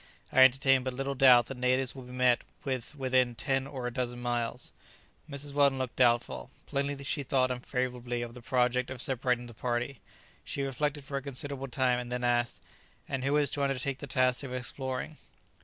I entertain but little doubt that natives will be met with within ten or a dozen miles." Mrs. Weldon looked doubtful. Plainly she thought unfavourably of the project of separating the party. She reflected for a considerable time, and then asked, "And who is to undertake the task of exploring?"